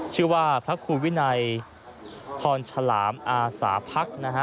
ชื่อว่าพระครูวินัยขอนฉลามอาสาภักร